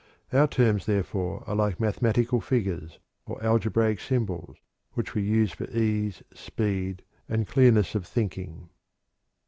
Our terms, therefore, are like mathematical figures, or algebraic symbols, which we use for ease, speed, and clearness of thinking.